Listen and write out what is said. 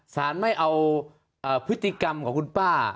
สารไม่เอาพฤติกรรมของคุณป้า